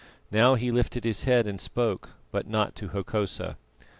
Now he lifted his head and spoke, but not to Hokosa.